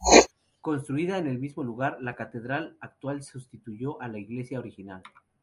Construida en el mismo lugar, la catedral actual sustituyó a la iglesia original.